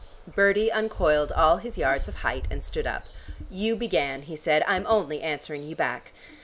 Bertie uncoiled all his yards of height and stood up. "You began," he said. "I'm only answering you back.